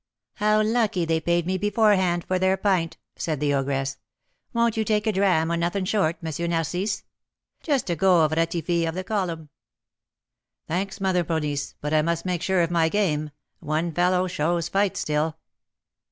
"How lucky they paid me beforehand for their pint!" said the ogress. "Won't you take a dram o' nothin' 'short,' M. Narcisse? Just a 'go' of 'Ratifi' of the Column.'" "Thanks, Mother Ponisse, but I must make sure of my game; one fellow shows fight still."